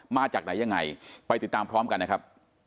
มาจากไหนยังไงไปติดตามพร้อมกันนะครับ